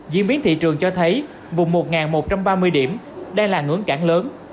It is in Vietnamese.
diễn biến thị trường cho thấy vùng một một trăm ba mươi điểm đây là ngưỡng cản lớn